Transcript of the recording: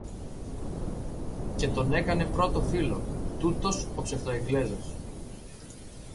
Και τον έκανε πρώτο φίλο, τούτος ο ψευτο Εγγλέζος